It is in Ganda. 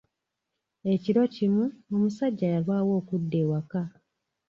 Ekiro kimu, omusajja yalwawo okudda ewaka.